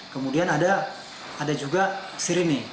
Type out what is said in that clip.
kemudian ada juga sirine